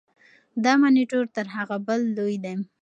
دا مانیټور تر هغه بل لوی دی.